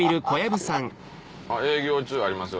あっ営業中ありますよ